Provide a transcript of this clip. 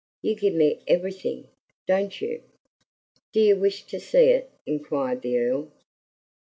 You give me EVERYthing, don't you?" "Do you wish to see it?" inquired the Earl.